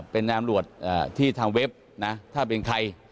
เป็นนายอำรวจที่ทางเว็บนะถ้าเป็นใคร